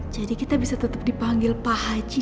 jadi kita bisa tetap dipanggil pak haji